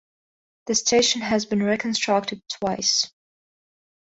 The station has been reconstructed twice.